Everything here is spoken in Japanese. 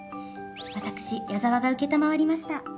私矢澤が承りました。